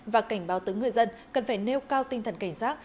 và cảnh báo tới người dân cần phải nêu cao tinh thần cảnh giác